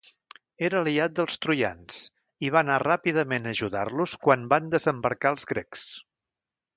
Era aliat dels troians, i va anar ràpidament a ajudar-los quan van desembarcar els grecs.